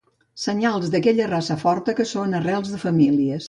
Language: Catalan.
Senyals d'aquella raça forta que són arrels de famílies.